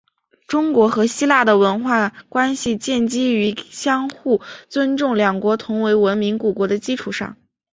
中国和希腊的文化关系建基于相互尊重两国同为文明古国的基础上。